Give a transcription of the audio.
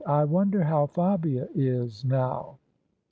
" I wonder how Fabia IS now."